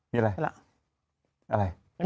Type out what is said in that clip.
มีอะไรอะไร